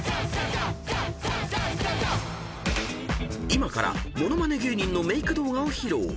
［今からモノマネ芸人のメイク動画を披露］